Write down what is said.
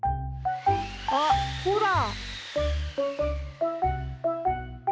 あっほら。